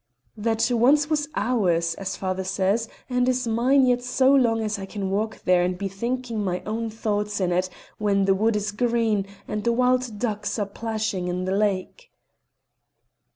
" That once was ours, as father says, and is mine yet so long as I can walk there and be thinking my own thoughts in it when the wood is green, and the wild ducks are plashing in the lake."